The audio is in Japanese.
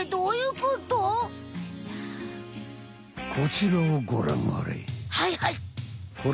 こちらをごらんあれ。